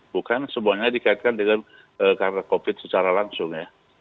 bukan semuanya dikaitkan dengan karena covid secara langsung ya